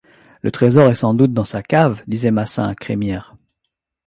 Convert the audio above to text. Le trésor est sans doute dans sa cave? disait Massin à Crémière.